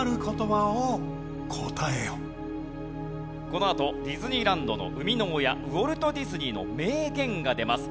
このあとディズニーランドの生みの親ウォルト・ディズニーの名言が出ます。